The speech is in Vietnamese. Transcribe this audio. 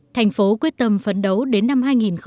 thành phố quyết tâm phấn đấu đến năm hai nghìn một mươi chín